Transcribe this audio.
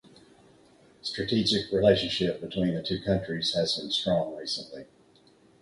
Strategic relationship between the two countries has been strong recently.